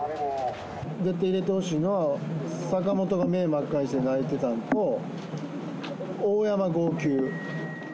絶対入れてほしいのは、坂本が目ぇ真っ赤にして泣いてたのと、大山号泣。